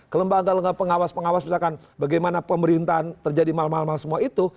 ke lembaga lembaga pengawas pengawas misalkan bagaimana pemerintahan terjadi mal mal mal semua itu